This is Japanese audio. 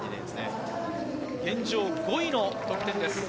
現状５位の得点です。